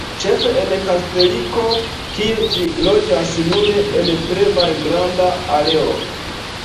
Ĉefe en Kostariko, kie ĝi loĝas nur en tre malgranda areo.